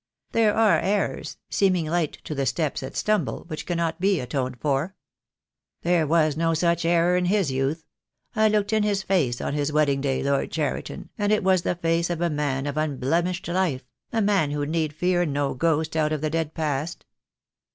"There are errors — seeming light to the steps that stumble — which cannot be atoned for." "There was no such error in his youth. I looked in his*face on his wedding day, Lord Cheriton, and it was the face of a man of unblemished life — a man who need fear no ghost out of the dead past."